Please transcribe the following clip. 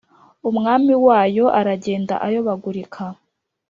umwami wayo aragenda ayobagurika